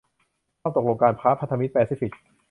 ความตกลงการค้าพันธมิตรแปซิฟิก